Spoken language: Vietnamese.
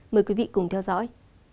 mời quý vị cùng theo dõi